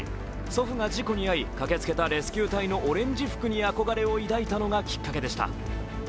祖父が事故に遭い駆けつけたレスキュー隊のオレンジ服に憧れを抱いたのがきっかけでした。